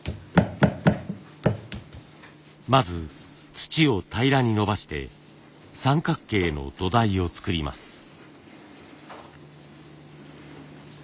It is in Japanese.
まず土を平らにのばして三角形の土台を作ります。